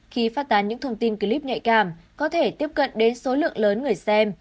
khi phát tán những thông tin clip nhạy cảm có thể tiếp cận đến số lượng lớn người xem